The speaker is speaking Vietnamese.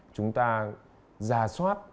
chúng ta giả soát